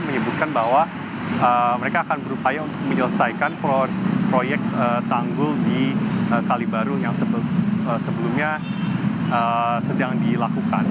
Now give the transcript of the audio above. menyebutkan bahwa mereka akan berupaya untuk menyelesaikan proyek tanggul di kalibaru yang sebelumnya sedang dilakukan